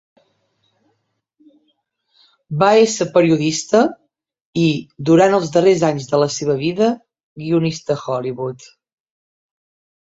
Va ésser periodista i, durant els darrers anys de la seva vida, guionista a Hollywood.